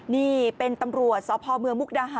นี่เป็นตำรวจสพเมืองมุกดาหาร